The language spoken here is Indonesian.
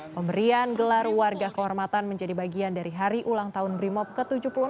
pemberian gelar warga kehormatan menjadi bagian dari hari ulang tahun brimob ke tujuh puluh enam